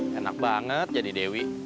enak banget jadi dewi